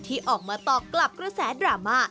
ที่ออกมาตอบกลับกระแสดราม่า